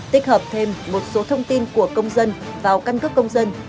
tích hợp thêm một số thông tin của công dân vào căn cước công dân